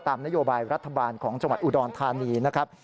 นโยบายรัฐบาลของจังหวัดอุดรธานีนะครับ